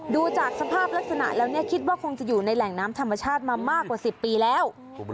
ดูจากสภาพลักษณะแล้วคิดว่าคงจะอยู่ในแหล่งน้ำธรรมชาติมามากกว่า๑๐ปีแล้ว